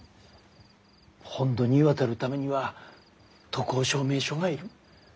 本土に渡るためには渡航証明書が要る。